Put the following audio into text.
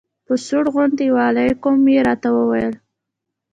یو سوړ غوندې وعلیکم یې راته وویل.